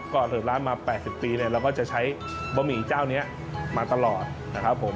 ก็เริ่มร้านมา๘๐ปีเนี่ยเราก็จะใช้บะหมี่เจ้านี้มาตลอดนะครับผม